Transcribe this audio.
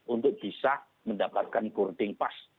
untuk bisa mendapatkan kurting pas